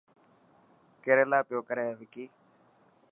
ڪيريلا پيو ڪري وڪي.